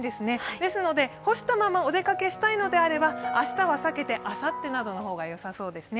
ですので干したままお出かけしたいのであれば明日は避けてあさってなどの方がよさそうですね。